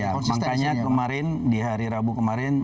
ya makanya kemarin di hari rabu kemarin